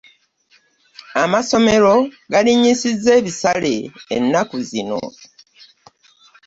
Amasomero galinnyisizza ebisale ennaku zino.